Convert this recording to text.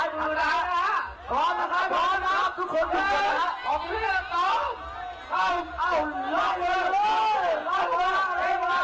พร้อมนะครับพร้อมนะครับทุกคนด้วยออกเรื่องต่อเอ้าเอ้าล้อเลือดล้อเลือด